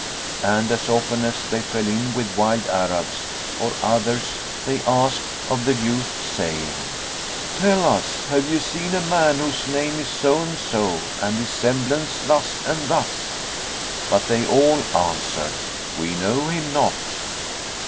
And as often as they fell in with wild Arabs or others they asked of the youth, saying, "Tell us have ye seen a man whose name is so and so and his semblance thus and thus?" But they all answered, "We know him not."